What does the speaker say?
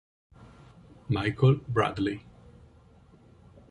Michael Bradley